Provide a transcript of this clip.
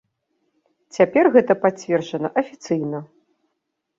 Цяпер гэта пацверджана афіцыйна.